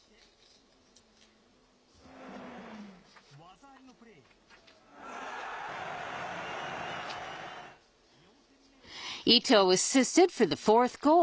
技ありのプレー。